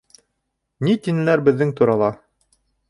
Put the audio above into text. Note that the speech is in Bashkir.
— Ни тинеләр беҙҙең турала?